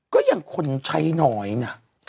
ก็อย่างคนใช้หน่อยนะ